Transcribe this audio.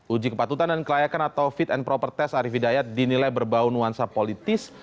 uji kepatutan dan kelayakan atau fit and proper test arief hidayat dinilai berbau nuansa politis